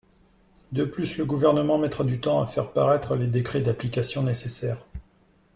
De plus, le Gouvernement mettra du temps à faire paraître les décrets d’application nécessaires.